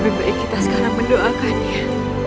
lebih baik kita sekarang mendoakannya